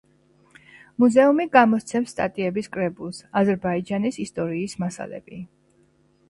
მუზეუმი გამოსცემს სტატიების კრებულს „აზერბაიჯანის ისტორიის მასალები“.